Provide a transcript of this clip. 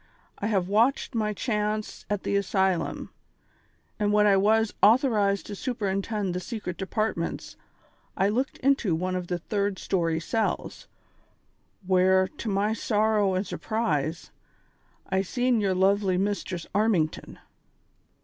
I have watched my chance at the asylum, and when I was author ized to superintend the secret departments, I looked into one of the third story cells, where, to my sorrow and sur prise, I seen yer luvly Mistress Armington."